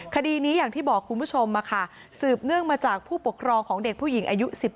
คดีนี้อย่างที่บอกคุณผู้ชมสืบเนื่องมาจากผู้ปกครองของเด็กผู้หญิงอายุ๑๗